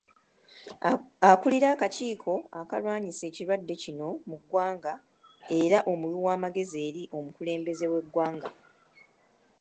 Akulira akakiiko akalwanyisa ekirwadde kino mu ggwanga era omuwi w’amagezi eri omukulembeze w'eggwanga.